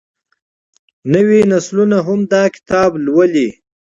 نوې نسلونه هم دا کتاب لولي.